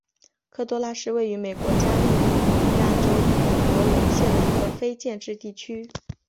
科多拉是位于美国加利福尼亚州格伦县的一个非建制地区。